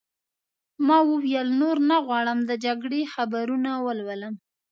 ما وویل: نور نه غواړم د جګړې خبرونه ولولم.